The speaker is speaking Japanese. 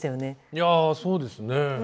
いやそうですね。